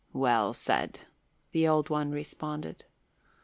"Well said!" the Old One responded.